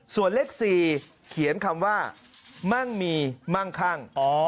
ส่วนเลข๔เขียนคำว่ามั่งมีมั่งคั่ง